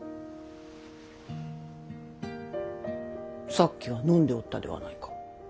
さっきは飲んでおったではないか。